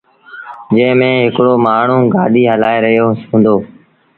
جݩهݩ ميݩ هڪڙو مآڻهوٚݩ گآڏيٚ هلآئي رهيو هُݩدو۔